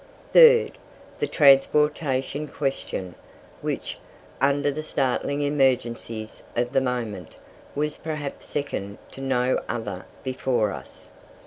Third, the Transportation Question, which, under the startling emergencies of the moment, was perhaps second to no other before us.